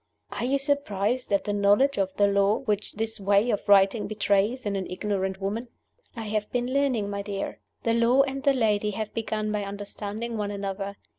"Are you surprised at the knowledge of the law which this way of writing betrays in an ignorant woman? I have been learning, my dear: the Law and the Lady have begun by understanding one another.